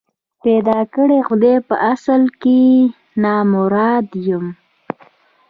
پيدا کړی خدای په اصل کي نامراد یم